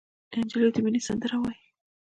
نجلۍ د مینې سندره وایي.